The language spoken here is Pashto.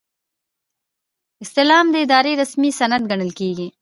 استعلام د ادارې رسمي سند ګڼل کیږي.